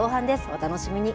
お楽しみに。